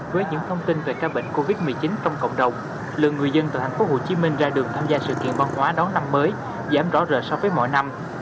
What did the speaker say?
với những thông tin về ca bệnh covid một mươi chín trong cộng đồng lượng người dân từ hàn quốc hồ chí minh ra đường tham gia sự kiện văn hóa đón năm mới giảm rõ rời so với mọi năm